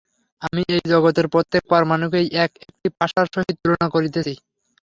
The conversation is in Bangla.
আমি এই জগতের প্রত্যেক পরমাণুকেই এক-একটি পাশার সহিত তুলনা করিতেছি।